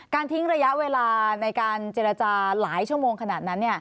ทิ้งระยะเวลาในการเจรจาหลายชั่วโมงขนาดนั้น